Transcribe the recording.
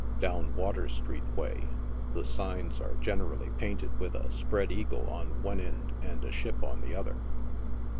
Down Water street way, th& signs are generally painted with a spread eagle on one end and a ship on the other.